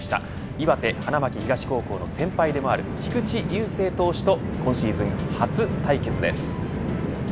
岩手花巻東高校の先輩でもある菊池雄星投手と今シーズン初対決です。